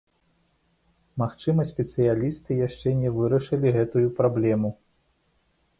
Магчыма, спецыялісты яшчэ не вырашылі гэтую праблему.